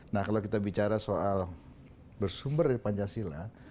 nah kalau kita bicara soal bersumber dari pancasila